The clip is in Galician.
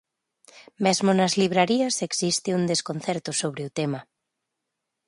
Mesmo nas librarías existe un desconcerto sobre o tema.